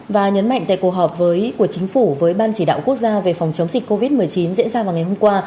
và nhấn mạnh tại cuộc họp của chính phủ với ban chỉ đạo quốc gia về phòng chống dịch covid một mươi chín diễn ra vào ngày hôm qua